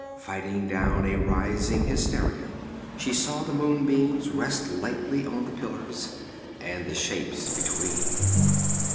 Fighting down a rising hysteria, she saw the moonbeams rest lightly on the pillars and the shapes between.